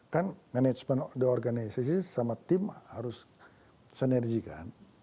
kan management di organisasi sama tim harus sinergikan